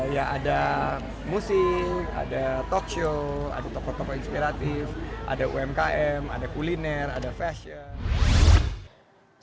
ya ada musik ada talk show ada toko toko inspiratif ada umkm ada kuliner ada fashion